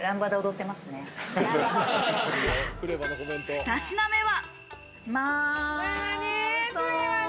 ２品目は。